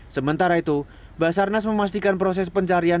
sementara itu basarnas memastikan proses pencarian